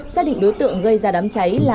xác định đối tượng gây ra đám cháy là